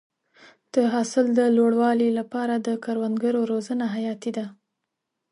د حاصل د لوړوالي لپاره د کروندګرو روزنه حیاتي ده.